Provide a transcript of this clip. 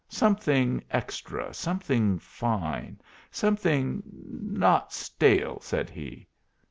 "Something extra, something fine, something not stale," said he.